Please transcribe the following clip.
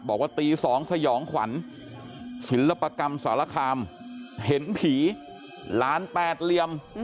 บอกว่าตี๒สยองขวัญศิลปกรรมสารคามเห็นผีหลานแปดเหลี่ยม